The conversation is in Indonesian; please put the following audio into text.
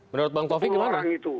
menurut bang kofi gimana